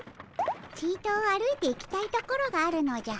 ちと歩いていきたいところがあるのじゃ。